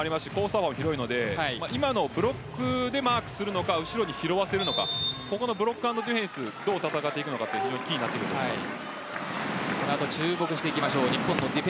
幅も広いので今のブロックでマークするのか後ろに拾わせるのかここのブロック＆ディフェンスどう戦っていくのかがキーになってきます。